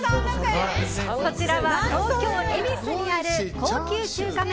こちらは東京・恵比寿にある高級中華麺